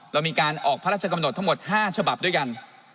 เรามีการออกพระราชกำหนดทั้งหมด๕ฉบับด้วยกัน